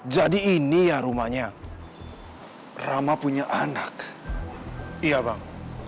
jadi ini ya rumahnya rama punya anak iya bang